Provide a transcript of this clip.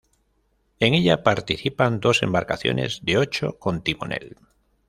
En ella participan dos embarcaciones de "ocho con timonel".